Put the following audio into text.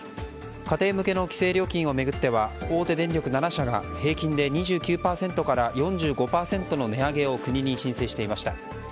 家庭向けの規制料金を巡っては大手電力７社が平均で２９％から４５％の値上げを国に申請していました。